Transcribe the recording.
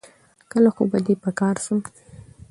کله خو به دي په کار سم